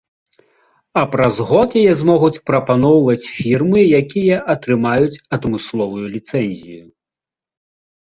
А праз год яе змогуць прапаноўваць фірмы, якія атрымаюць адмысловую ліцэнзію.